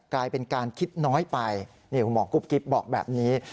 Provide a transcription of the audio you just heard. กลายเป็นการคิดน้อยไปนี่คุณหมอกุ๊บกิ๊บบอกแบบนี้